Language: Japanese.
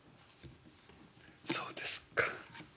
「そうですか？」。